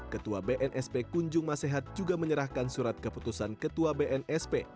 ketua bnsp kunjung masehat juga menyerahkan surat keputusan ketua bnsp